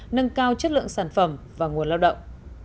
nâng cao chất lượng sản phẩm và nguồn lao động